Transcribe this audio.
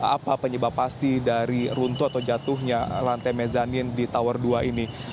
apa penyebab pasti dari runtuh atau jatuhnya lantai mezanin di tower dua ini